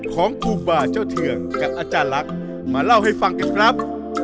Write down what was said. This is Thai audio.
ของครูบาเจ้าเทืองกับอาจารย์ลักษณ์มาเล่าให้ฟังกันครับ